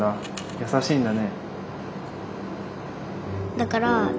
優しいんだね。